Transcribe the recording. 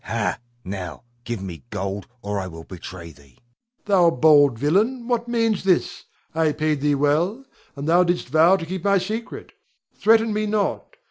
Ha! now give me gold or I will betray thee. Rod. Thou bold villain, what means this? I paid thee well, and thou didst vow to keep my secret. Threaten me not.